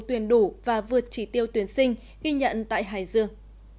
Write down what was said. tuyển đủ và vượt chỉ tiêu tuyển sinh ghi nhận tại hải dương